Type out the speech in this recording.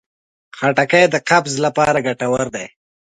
خټکی د قبض لپاره ګټور دی.